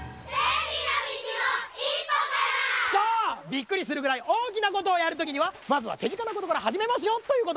びっくりするぐらいおおきなことをやるときにはまずはてぢかなことからはじめますよということば。